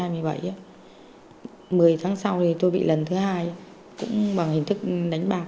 mười tháng sau thì tôi bị lần thứ hai cũng bằng hình thức đánh bạc